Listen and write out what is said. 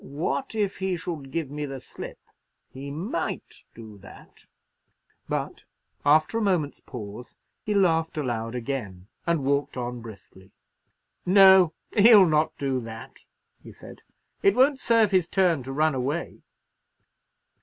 "What if he should give me the slip? He might do that!" But, after a moment's pause, he laughed aloud again, and walked on briskly. "No, he'll not do that," he said; "it won't serve his turn to run away."